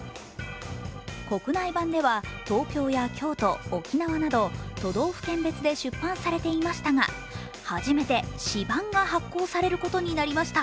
国内版では東京や京都、沖縄など都道府県別で出版されていましたが初めて市版が発行されることになりました。